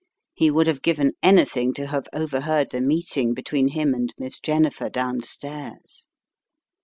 He would have given anything to have overheard the meeting between him and Miss Jennifer downstairs.